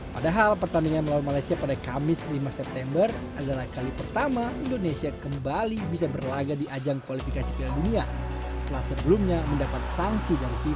padahal pertandingan melawan malaysia pada kamis lima september adalah kali pertama indonesia kembali bisa berlaga di ajang kualifikasi piala dunia setelah sebelumnya mendapat sanksi dari fifa